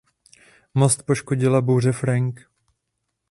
Most poškodila bouře Frank.